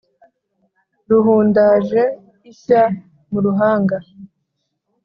Ruhundaje ishya mu ruhanga